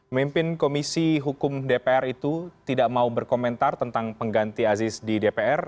mimpin komisi hukum dpr itu tidak mau berkomentar tentang pengganti aziz di dpr